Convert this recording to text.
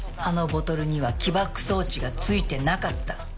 あのボトルには起爆装置がついてなかった。